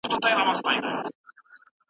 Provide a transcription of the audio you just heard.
د مدرسو هدف د مسيحيت تبليغ و.